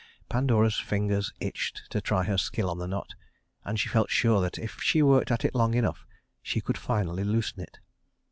Pandora's fingers itched to try her skill on the knot, and she felt sure that if she worked at it long enough, she could finally loosen it.